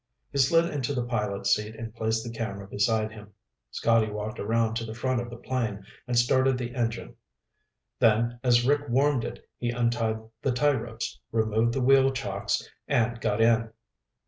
He slid into the pilot's seat and placed the camera beside him. Scotty walked around to the front of the plane and started the engine. Then, as Rick warmed it, he untied the tie ropes, removed the wheel chocks, and got in.